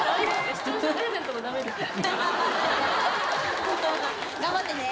視聴者プレゼントもダメですか？